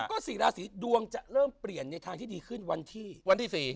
ก็๔ราศีดวงจะเริ่มเปลี่ยนในทางที่ดีขึ้นวันที่วันที่๔